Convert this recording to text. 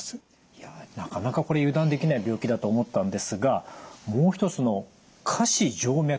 いやなかなかこれ油断できない病気だと思ったんですがもう一つの下肢静脈瘤